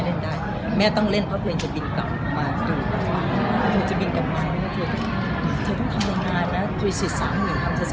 ไม่ต้องมะต้องเต็มที่ค่ะทุกคนทีมนาท